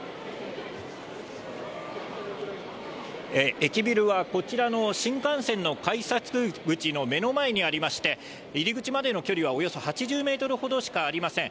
駅ビルはこちらの新幹線の改札口の目の前にありまして、入り口までの距離はおよそ８０メートルほどしかありません。